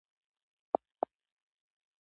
کلک یا شدید خج ډېر فشار لري.